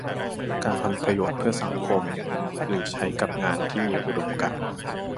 การทำประโยชน์เพื่อสังคม หรือใช้กับงานที่มีอุดมการณ์